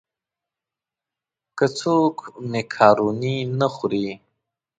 که څوک مېکاروني نه خوري.